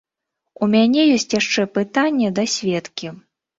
У мяне ёсць яшчэ пытанне да сведкі.